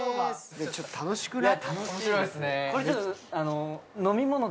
ちょっと楽しくない？